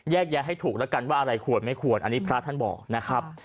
แยะให้ถูกแล้วกันว่าอะไรควรไม่ควรอันนี้พระท่านบอกนะครับ